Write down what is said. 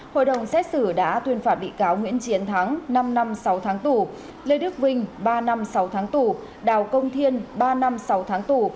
hội đồng xét xử đã tuyên phạt bị cáo nguyễn chiến thắng năm năm sáu tháng tù lê đức vinh ba năm sáu tháng tù đào công thiên ba năm sáu tháng tù